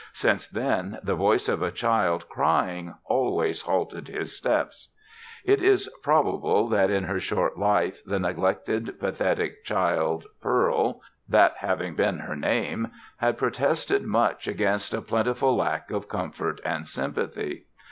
Since then the voice of a child crying always halted his steps. It is probable that, in her short life, the neglected, pathetic child Pearl that having been her name had protested much against a plentiful lack of comfort and sympathy.